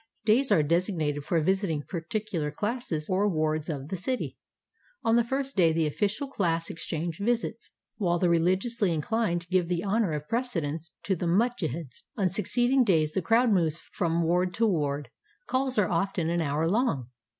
Days are designated for visiting particular classes or wards of the city. On the first day the official class exchange visits, while the religiously incHned give the honor of precedence to the mujtehids. On succeeding days the crowd moves from ward to ward. Calls are often an hour long.